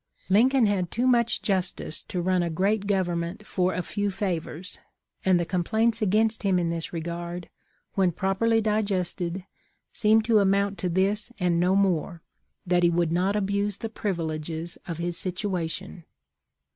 Lincoln had too much justice to run a great government for a few favors ; and the com plaints against him in this regard, when properly digested, seem to amount to this and no more, that he would not abuse the privileges of his situa tion.